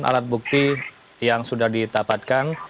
alat bukti yang sudah ditapatkan